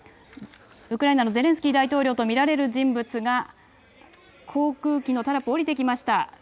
ウクライナのゼレンスキー大統領と見られる人物が航空機のタラップを降りてきました。